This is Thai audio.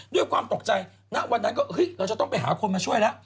ด้วยความตกใจณวันนั้นก็เราจะต้องไปหาคนมาช่วยแล้ว